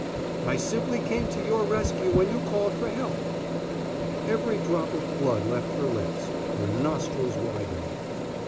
I simply came to your rescue when you called for help." Every drop of blood left her lips, her nostrils widened.